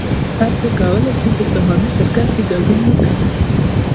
هر څوک کولی شي په سهامي شرکت کې ګډون وکړي